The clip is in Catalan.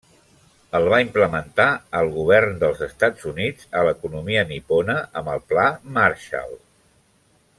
El va implementar el govern dels Estats Units a l'economia nipona amb el pla Marshall.